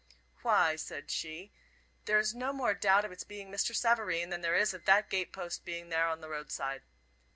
"Why," said she, "there is no more doubt of its being Mr. Savareen than there is of that gate post being there on the road side.